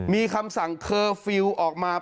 มีคำสั่งเคอร์ฟิลล์ออกมา